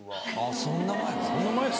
・そんな前？